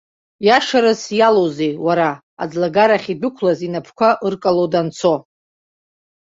Иашарас иалоузеи, уара, аӡлагарахь идәықәлаз инапқәа ыркало данцо?!